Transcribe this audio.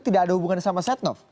tidak ada hubungan sama setnoff